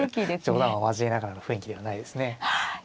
冗談を交えながらの雰囲気ではないですね。